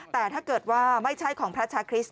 แต่ถ้าเกิดว่าไม่ใช่ของพระชาคริสต